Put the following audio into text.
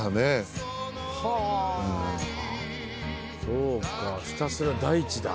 そうかひたすら大地だ。